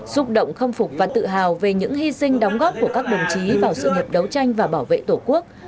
xúc động khâm phục và tự hào về những hy sinh đóng góp của các đồng chí vào sự nghiệp đấu tranh và bảo vệ tổ quốc